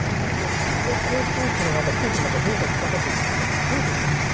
航空機の中、飛行機の中、どうだったかということなんですが、どういう状況でしたか。